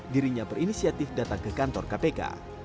dirinya berinisiatif datang ke kantor kpk